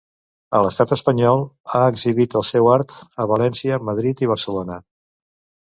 A l'estat espanyol, ha exhibit el seu art a València, Madrid i Barcelona.